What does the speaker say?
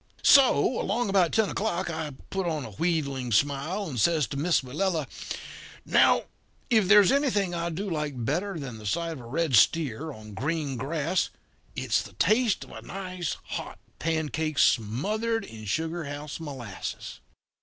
"So, along about ten o'clock, I put on a wheedling smile and says to Miss Willella: 'Now, if there's anything I do like better than the sight of a red steer on green grass it's the taste of a nice hot pancake smothered in sugar house molasses.'